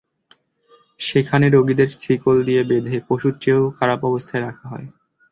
সেখানে রোগিদের শিকল দিয়ে বেঁধে, পশুর চেয়েও খারাপ অবস্থায় রাখা হয়।